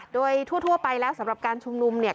โดยทั่วไปแล้วสำหรับการชุมนุมเนี่ย